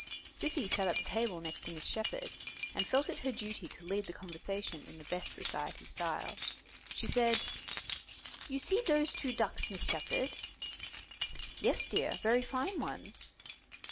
Sissy sat at the table next to Miss Sheppard, and felt it her duty to lead the conversation in the best society style. She said: "You see dose two ducks, Miss Sheppard?" "Yes, dear; very fine ones."